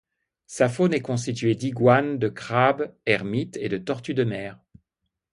Sa faune est constituée d'iguanes, de crabes ermites et de tortues de mer.